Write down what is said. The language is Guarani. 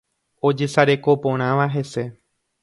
ojesarekoporãva hese